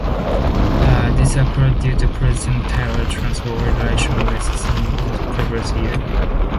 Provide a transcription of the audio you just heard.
This arose due to President Tyler's troubled relationship with the Senate in previous years.